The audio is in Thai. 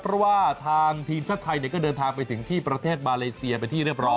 เพราะว่าทางทีมชาติไทยก็เดินทางไปถึงที่ประเทศมาเลเซียเป็นที่เรียบร้อย